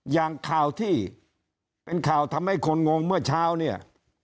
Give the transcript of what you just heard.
อย่างข่าวที่เป็นข่าวทำให้คนงงเมื่อเช้าเนี่ย